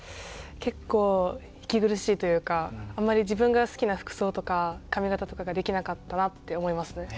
結構息苦しいというかあんまり自分が好きな服装とか髪形とかができなかったなって思いますね。